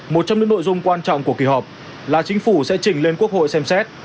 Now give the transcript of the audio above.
một trong những nội dung quan trọng của kỳ họp là chính phủ sẽ trình lên quốc hội xem xét